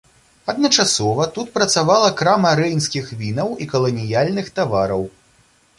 Адначасова тут працавала крама рэйнскіх вінаў і каланіяльных тавараў.